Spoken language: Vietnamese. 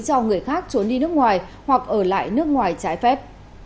cho người khác trốn đi nước ngoài hoặc ở lại nước ngoài trái phép